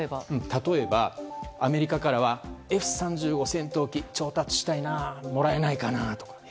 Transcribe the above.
例えば、アメリカからはＦ３５戦闘機を調達したいなあもらえないかなとか。